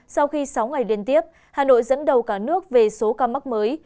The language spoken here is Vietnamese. sau khi sáu ngày liên tiếp hà nội dẫn đầu cả nước về số ca mắc mới